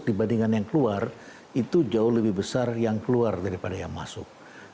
dibandingkan yang keluar itu jauh lebih besar yang keluar daripada yang masuk